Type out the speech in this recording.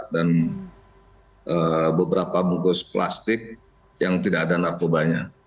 dan beberapa bungkus plastik yang tidak ada narkobanya